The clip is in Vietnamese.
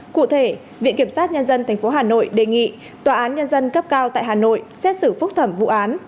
cụ thể viện kiểm sát nhân dân tp hà nội đề nghị tòa án nhân dân cấp cao tại hà nội xét xử phúc thẩm vụ án